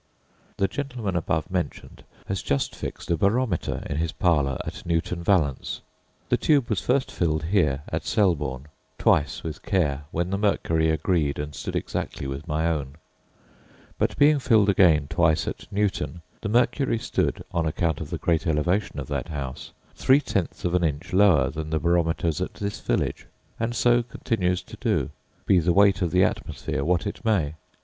The gentleman above mentioned has just fixed a barometer in his parlour at Newton Valence. The tube was first filled here (at Selborne) twice with care, when the mercury agreed and stood exactly with my own; but being filled again twice at Newton, the mercury stood, on account of the great elevation of that house, three tenths of an inch lower than the barometers at this village, and so continues to do, be the weight of the atmosphere what it may.